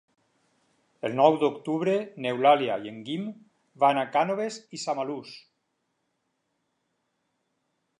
El nou d'octubre n'Eulàlia i en Guim van a Cànoves i Samalús.